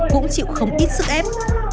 cũng chịu không ít sức ép